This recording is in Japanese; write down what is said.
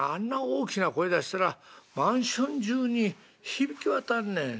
大きな声出したらマンション中に響き渡んねん。